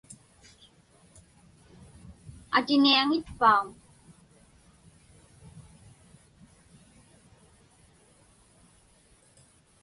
Atiniaŋitpauŋ?